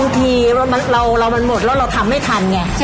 อีกทีมันเราหมดแล้วเราทำไม่ทันไง